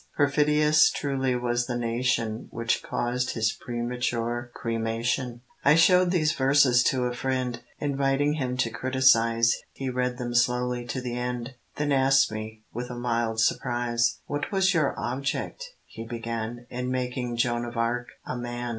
Perfidious truly was the nation Which caused his premature cremation! I showed these verses to a friend, Inviting him to criticise; He read them slowly to the end, Then asked me, with a mild surprise, "What was your object," he began, "In making Joan of Arc a man?"